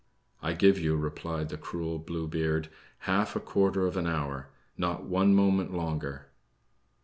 "I give you," replied the cruel Blue Beard, "half a quarter of an hour not one moment longer."